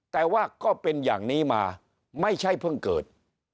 แต่ว่าก็เป็นอย่างนี้มาไม่ใช่เพิ่งเกิด